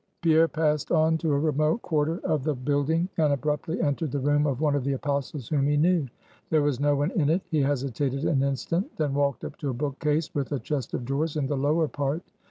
Pierre passed on to a remote quarter of the building, and abruptly entered the room of one of the Apostles whom he knew. There was no one in it. He hesitated an instant; then walked up to a book case, with a chest of drawers in the lower part.